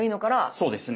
そうですね。